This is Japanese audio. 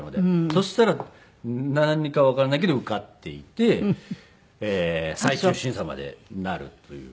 そしたらなんでかわからないけど受かっていて最終審査までなるという。